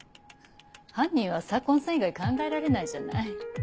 犯人は左紺さん以外考えられないじゃない。